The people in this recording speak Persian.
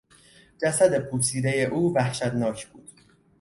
جسد پوسیدهی او وحشتناک بود.